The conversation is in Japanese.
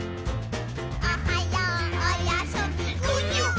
「おはよう」「おやすみぐにゅっ！」